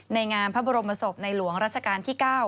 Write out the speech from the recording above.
งามพระบรมศพในหลวงราชการที่๙